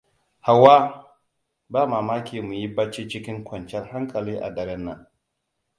Hauwa! Ba mamaki mu yi bacci cikin kwanyar hankali a daren nan.